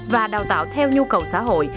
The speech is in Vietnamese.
và đào tạo theo nhu cầu xã hội